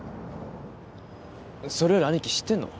それより兄貴知ってんの？